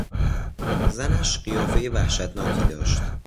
زنش قیافهی وحشتناکی داشت.